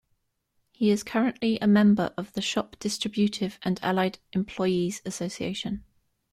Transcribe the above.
He is currently a member of the Shop Distributive and Allied Employees Association.